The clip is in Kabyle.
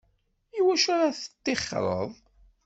I wacu ara teṭṭixxreḍ?